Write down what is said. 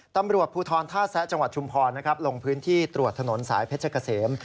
ตำรวจภูทรท่าแซะจังหวัดชุมพรนะครับลงพื้นที่ตรวจถนนสายเพชรเกษม